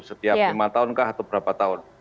setiap lima tahun kah atau berapa tahun